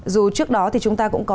dù trước đó thì chúng ta cũng có